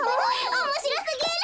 おもしろすぎる！